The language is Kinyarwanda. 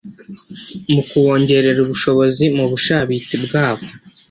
mu kubongerera ubushobozi mu bushabitsi bwabo